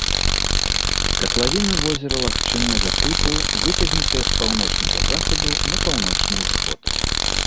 Катлавіна возера лагчыннага тыпу, выцягнутая з паўночнага захаду на паўночны ўсход.